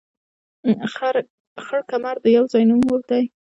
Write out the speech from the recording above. خړ کمر د يو ځاى نوم دى